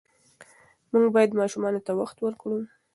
موږ باید ماشومانو ته وخت ورکړو.